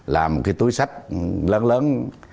làm một cái túi sách lớn lớn